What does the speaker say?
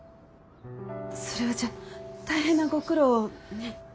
それはじゃあ大変なご苦労をね。